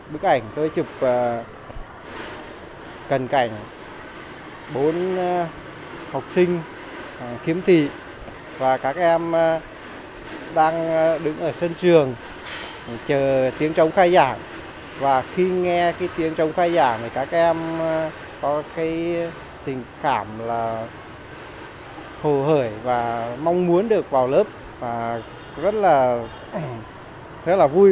bức ảnh tôi chụp cần cảnh bốn học sinh khiếm thị và các em đang đứng ở sân trường chờ tiếng trống khai giảng và khi nghe cái tiếng trống khai giảng thì các em có cái tình cảm là hồ hởi và mong muốn được vào lớp và rất là vui